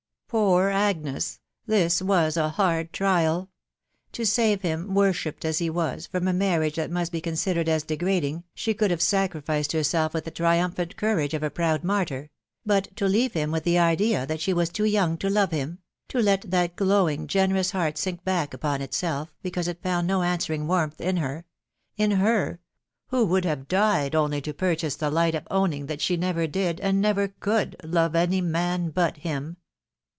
* Poor Agnes I This was a hard trial. To save hhn» worshipped as he was, from a marna^\Wim^^\^^onaidered Tttfc WIDOW *AR*ABV/. 57S as degrading, she could have sacrificed herself with the tri umphant courage of a proud martyr, but to leave him with the idea that she was too young to love him !.... to let that glowing, generous heart sink back upon itself, because it found no answering warmth in her !.... in her ! who would have died only to purchase the right of owning that she never did, and never eould, love any man but him